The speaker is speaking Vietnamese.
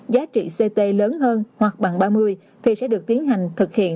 giá trị ct lớn hơn hoặc bằng ba mươi thì sẽ được tiến hành thực hiện